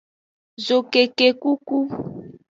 Zokekekuku.